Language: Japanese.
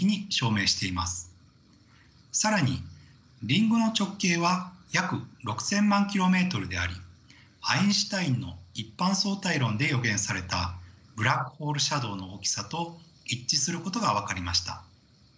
更にリングの直径は約６，０００万ｋｍでありアインシュタインの一般相対性理論で予言されたブラックホールシャドウの大きさと一致することが分かりました。